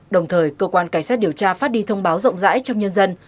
đồng thời cơ quan cảnh sát điều tra phát đi thông báo rộng rãi trong nhân dân